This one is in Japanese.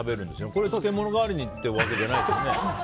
これを漬物代わりってわけじゃないですよね？